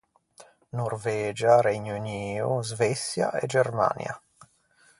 Norvegia, Regno Unio, Sveçia e Germania.